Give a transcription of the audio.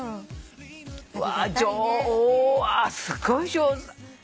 うわおすごい上手だ。